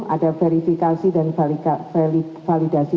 ada verifikasi dan validasi